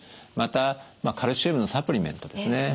またカルシウムのサプリメントですね。